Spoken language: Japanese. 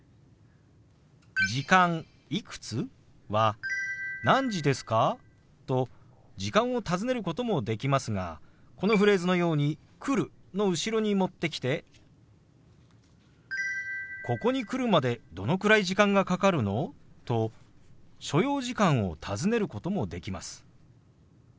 「時間いくつ？」は「何時ですか？」と時間を尋ねることもできますがこのフレーズのように「来る」の後ろに持ってきて「ここに来るまでどのくらい時間がかかるの？」と所要時間を尋ねることもできます。